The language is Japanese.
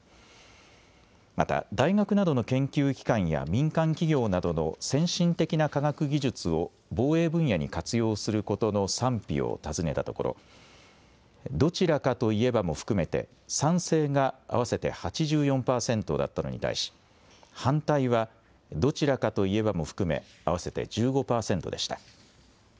また大学などの研究機関や民間企業などの先進的な科学技術を防衛分野に活用することの賛否を尋ねたところどちらかといえばも低め賛成が合わせて８４％だったのに対し反対はどちらかといえばも含め合わせて１５％でした。